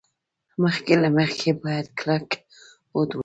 مخکې له مخکې باید کلک هوډ ولري.